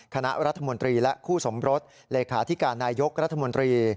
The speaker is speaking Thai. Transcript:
คณะรัฐมนตรีและคู่สมรสเลขาธิการนายกรัฐมนตรี